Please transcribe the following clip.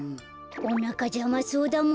おなかじゃまそうだもんね。